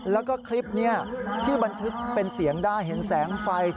แล้วก็คลิปนี้ที่บันทึกเป็นเสียงได้เห็นแสงไฟ